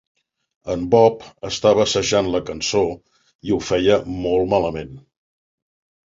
En Bob estava assajant la cançó, i ho feia molt malament.